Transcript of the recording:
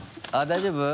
大丈夫？